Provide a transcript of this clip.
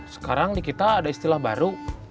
sekarang di kita ada istilah baru